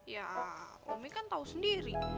ya umi kan tau sendiri